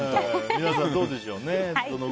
皆さんはどうでしょうね。